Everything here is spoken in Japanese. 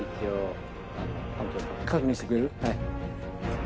確認してくれる？